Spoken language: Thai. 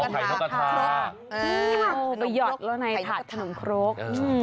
ไปหยอดดูในถัดขนมโครก